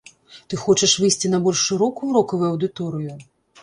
Ты хочаш выйсці на больш шырокую рокавую аўдыторыю?